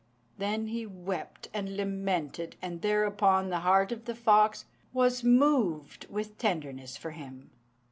Then he wept and lamented; and thereupon the heart of the fox was moved with tenderness for him.